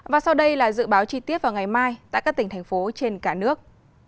và sau đây là dự báo chi tiết vào ngày mai tại các tỉnh thành phố trên cả nước